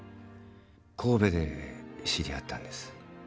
神戸で知り合ったんです。